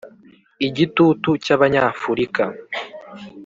igitutu cy'abanyafurika